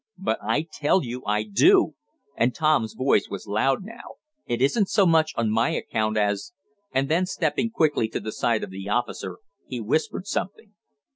"But I tell you I do!" and Tom's voice was loud now. "It isn't so much on my account, as " and then, stepping quickly to the side of the officer he whispered something.